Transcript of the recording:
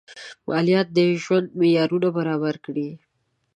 مالیات د ژوند معیارونه برابر کړي.